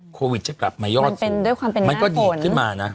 โควิดจะกลับมายอดสูงมันเป็นด้วยความเป็นหน้าผลมันก็หยิบขึ้นมาน่ะ